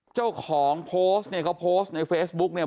เจ้าของโพสต์เนี่ยเขาโพสต์ในเฟซบุ๊กเนี่ย